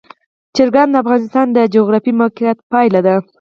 چرګان د افغانستان د جغرافیایي موقیعت پایله ده.